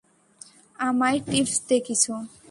আমায় টিপস দে কিছু।